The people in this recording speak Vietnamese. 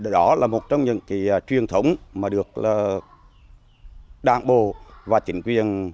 đó là một trong những truyền thống mà được đảng bộ và chính quyền